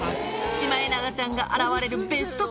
シマエナガちゃんが現れるベ